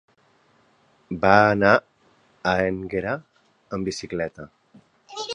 Va anar a Énguera amb bicicleta.